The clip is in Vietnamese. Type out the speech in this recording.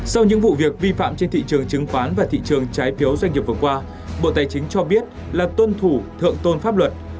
sau những vụ việc vi phạm trên thị trường chứng khoán và thị trường trái phiếu doanh nghiệp vừa qua bộ tài chính cho biết là tuân thủ thượng tôn pháp luật